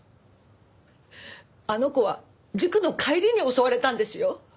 あの子は塾の帰りに襲われたんですよ。